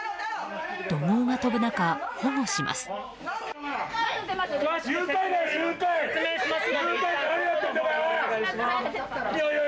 怒号が飛ぶ中、保護します。